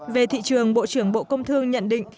về thị trường bộ trưởng bộ công thương nhận định